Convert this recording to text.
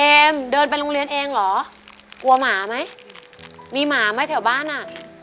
เดินไปโรงเรียนเองเหรอกลัวหมาไหมมีหมาไหมแถวบ้านอ่ะ